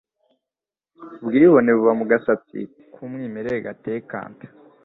ubwibone buba mu gasatsi k'umwimerere gateye kanta